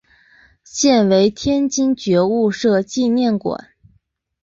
现为天津觉悟社纪念馆。